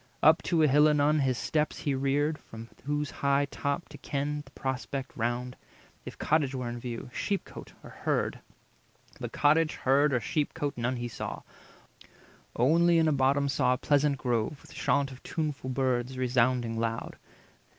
Up to a hill anon his steps he reared, From whose high top to ken the prospect round, If cottage were in view, sheep cote, or herd; But cottage, herd, or sheep cote, none he saw— Only in a bottom saw a pleasant grove, With chaunt of tuneful birds resounding loud.